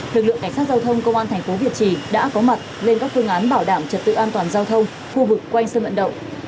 lực lượng cảnh sát giao thông công an thành phố việt trì đã có mặt lên các phương án bảo đảm trật tự an toàn giao thông khu vực quanh sân vận động